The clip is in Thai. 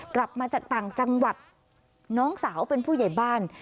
กลับมาจากต่างจังหวัดน้องสาวเป็นผู้ใหญ่บ้าน